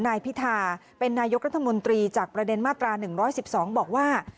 นายพิธาเป็นนายกรัฐมนตรีจากประเด็นมาตรา๑๑๒บอกว่า